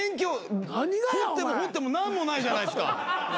掘っても掘っても何もないじゃないですか。